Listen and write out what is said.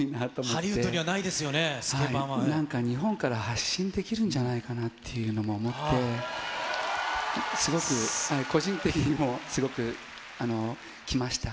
ハリウッドにはないですよね、なんか、日本から発信できるんじゃないかなっていうのも思って、すごく個人的にも、すごくきました。